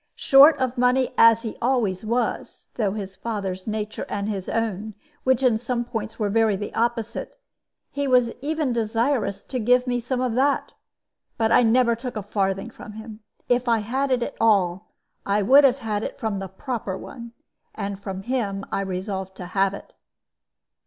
Short of money as he always was, through his father's nature and his own, which in some points were the very opposite, he was even desirous to give me some of that; but I never took a farthing from him. If I had it at all, I would have it from the proper one. And from him I resolved to have it.